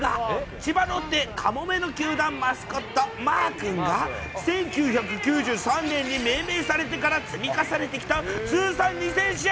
千葉ロッテ、カモメの球団マスコット、マーくんが、１９９３年に命名されてから積み重ねてきた通算２０００試合